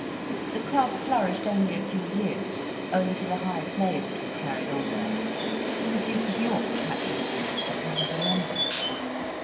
The club flourished only a few years, owing to the high play that was carried on there. The Duke of York patronized it, and was a member.